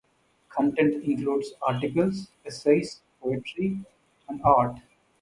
Content includes articles, essays, poetry, and art.